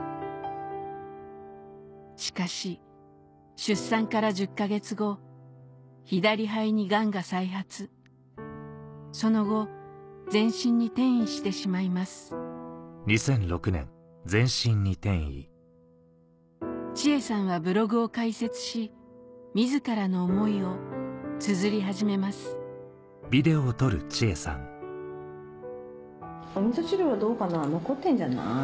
しかし出産から１０か月後左肺にがんが再発その後全身に転移してしまいます千恵さんはブログを開設し自らの思いをつづり始めますおみそ汁はどうかな残ってんじゃない？